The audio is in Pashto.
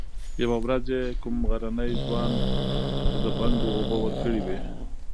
يوه ورځ يې کوم غرني ځوان ته د بنګو اوبه ورکړې وې.